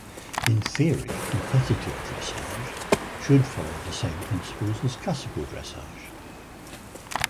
In theory, competitive dressage should follow the same principles as classical dressage.